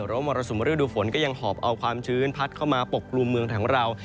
มรสุมฤดูฝนก็ยังหอบเอาความชื้นพัดเข้ามาปกกลุ่มเมืองของเรา